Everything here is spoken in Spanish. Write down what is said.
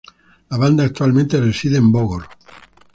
La banda actualmente reside en Bogor.